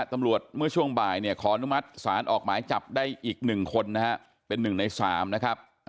ตำรวจเมื่อช่วงบ่ายขอนุมัติสารออกหมายจับได้อีก๑คนนะครับเป็น๑ใน๓นะครับ